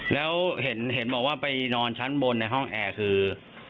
แล้วเห็นบอกว่าไปนอนชั้นบนในห้องแอร์คือ